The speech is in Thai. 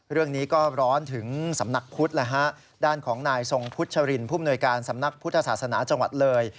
เรื่องนี้ก็ร้อนถึงสำนักพุทธด้านของนายทรงพุชรินผู้มนวยการสำนักพุทธศาสนาจังหวัดเลย